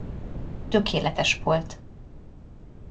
Tökéletes volt.